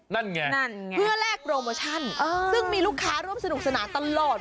นั่นไงนั่นไงเพื่อแลกโปรโมชั่นซึ่งมีลูกค้าร่วมสนุกสนานตลอด